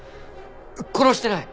殺してない。